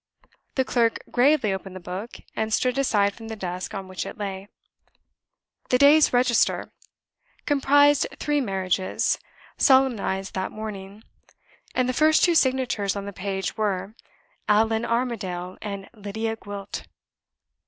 The clerk gravely opened the book, and stood aside from the desk on which it lay. The day's register comprised three marriages solemnized that morning; and the first two signatures on the page were "Allan Armadale" and "Lydia Gwilt!"